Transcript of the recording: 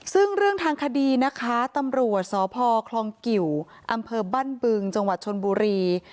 ซึ่งเรื่องทางคดีนะคะตำรวจสพคลองกิวอำเภอบ้านบึงจังหวัดชนบุรี